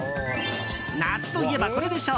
夏といえばこれでしょ！